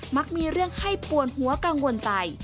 มักมีเรื่องให้ปวดหัวกังวลใจ